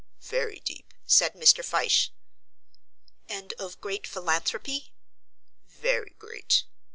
"Very deep," said Mr. Fyshe. "And of great philanthropy?" "Very great."